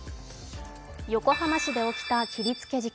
横浜市で起きた切りつけ事件。